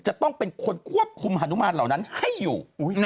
จะต้องเป็นคนควบคุมฮานุมานเหล่านั้นให้อยู่